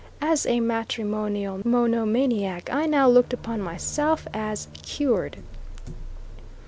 As a matrimonial monomaniac I now looked upon myself as cured.